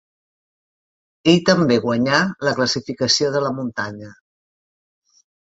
Ell també guanyà la classificació de la muntanya.